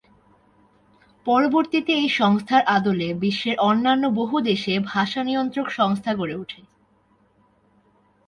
পরবর্তীতে এই সংস্থার আদলে বিশ্বের অন্যান্য বহু দেশে ভাষা নিয়ন্ত্রক সংস্থা গড়ে ওঠে।